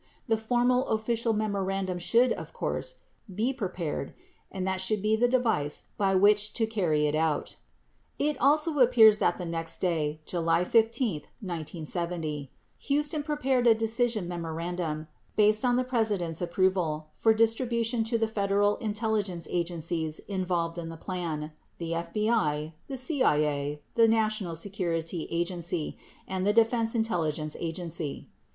The formal official memorandum should, of course, be prepared and that should be the device by which to carry it out ... 21 [emphasis added] It appears that the next day, July 15, 1970, Huston prepared a deci sion memorandum, based on the President's approval, for distribution to the Federal intelligence agencies involved in the plan — the FBI, the CIA, the National Security Agency and the Defense Intelligence Agency.